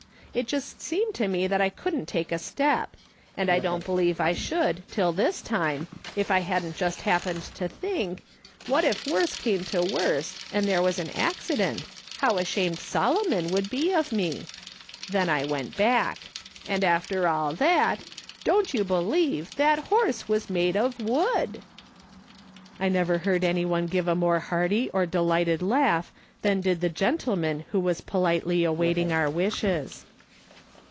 It just seemed to me that I couldn't take a step ; and I don't believe I should till this time if I hadn't just hap pened to think, what if worse came to worst, and there was an accident, how ashamed Solomon would be of me I Then I went back. And after all that, don't you believe that horse was made of wood !" I never heard anyone give a more hearty or delighted laugh than did the gentleman who was politely awaiting our wishes.